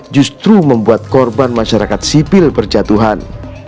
justru membuat korban masyarakat sipil berjatuhan